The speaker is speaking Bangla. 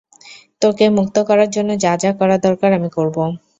তোকে মুক্ত করার জন্য যা-যা করা দরকার আমি করব।